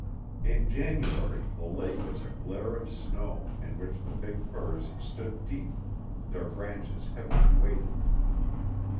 In January, the lake was a glare of snow, in which the big firs stood deep, their branches heavily weighted.